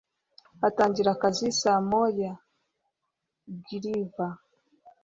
Atangira akazi ke saa moya. (Gulliver)